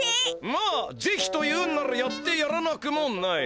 まあぜひと言うんならやってやらなくもない。